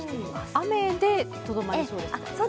雨でとどまりそうですか？